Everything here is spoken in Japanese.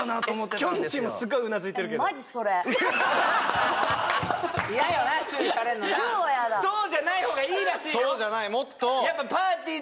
よきょんちぃもすっごいうなずいてるけど嫌よな注意されんのなそうじゃない方がいいらしいよ